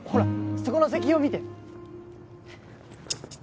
そこの石碑を見て。